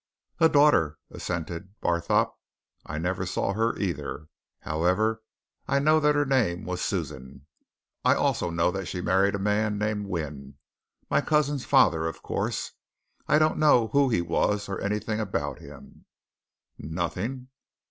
"A daughter," assented Barthorpe. "I never saw her, either. However, I know that her name was Susan. I also know that she married a man named Wynne my cousin's father, of course. I don't know who he was or anything about him." "Nothing?"